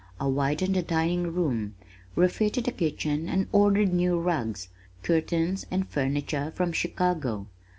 I widened the dining room, refitted the kitchen and ordered new rugs, curtains and furniture from Chicago.